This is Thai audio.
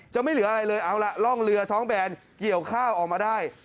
ไม่เหลืออะไรเลยเอาล่ะร่องเรือท้องแบนเกี่ยวข้าวออกมาได้